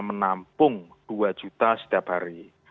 menampung dua juta setiap hari